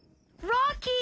ロッキー！